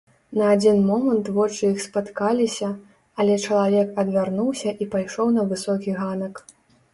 На адзін момант вочы іх спаткаліся, але чалавек адвярнуўся і пайшоў на высокі ганак.